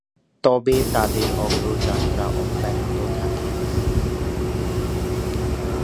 তবে তাদের অগ্রযাত্রা অব্যাহত থাকে।